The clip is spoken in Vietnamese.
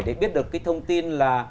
để biết được cái thông tin là